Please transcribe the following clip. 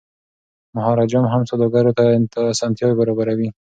مهاراجا هم سوداګرو ته اسانتیاوي برابروي.